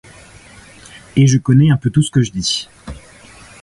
Et je connais un peu tout ce que je dis.